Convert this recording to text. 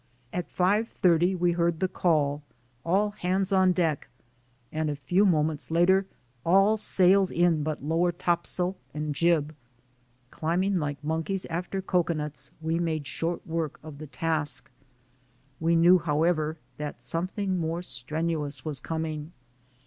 At five thirty we heard the call: "All hands on deck," and a few moments later: "All sails in but lower topsail and jib." Climbing like monkeys after coconuts, we made short work of the task. We knew, however, that something more strenuous was coming.